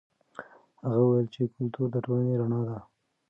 هغه وویل چې کلتور د ټولنې رڼا ده.